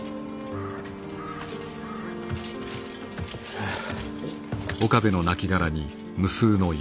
はあ。